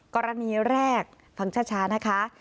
กรณีแรกฟังช้านะคะ